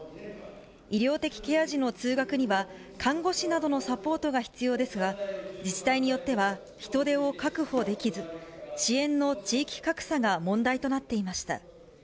医療的ケア児の通学には、看護師などのサポートが必要ですが、自治体によっては、人手を確保できず、支援の地域格差が問題となっていました。